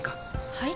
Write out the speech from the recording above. はい？